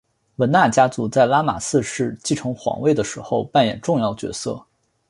汶那家族在拉玛四世继承皇位的时候扮演重要角色。